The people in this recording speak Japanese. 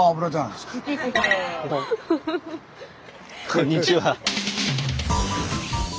こんにちは。